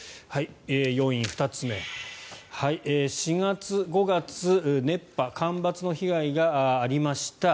要因２つ目４月、５月熱波、干ばつの被害がありました。